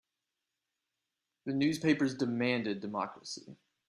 The newspapers demanded democracy.